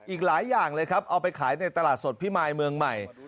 อีกหลายอย่างเลยครับเอาไปขายในตลาดสดพิมายเมืองใหม่